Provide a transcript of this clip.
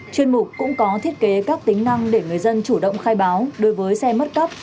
chuyên mục cũng có thiết kế các tính năng để người dân chủ động khai báo đối với xe mất cấp